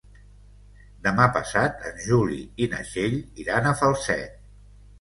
Demà passat en Juli i na Txell iran a Falset.